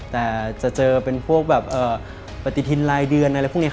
แต่จะเจอเป็นพวกแบบปฏิทินรายเดือนอะไรพวกนี้